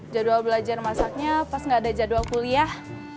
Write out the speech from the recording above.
jadwal belajar masaknya pas gak ada jadwal kuliah